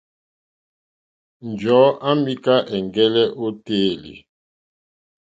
Njɔ̀ɔ́ à mìká ɛ̀ŋgɛ́lɛ́ ô téèlì.